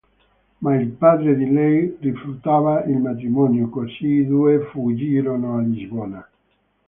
Ma il padre di lei rifiutava il matrimonio, così i due fuggirono a Lisbona.